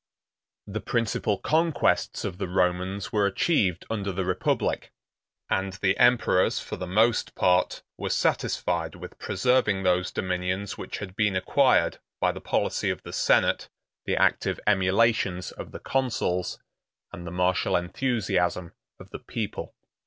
The principal conquests of the Romans were achieved under the republic; and the emperors, for the most part, were satisfied with preserving those dominions which had been acquired by the policy of the senate, the active emulations of the consuls, and the martial enthusiasm of the people.